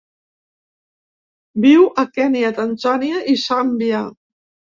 Viu a Kenya, Tanzània i Zàmbia.